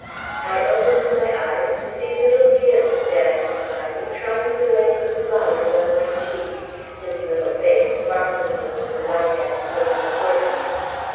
I opened my eyes to see little Gibbes standing by me, trying to lay some flowers on my cheek, his little face sparkling with delight at his own importance.